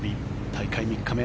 大会３日目。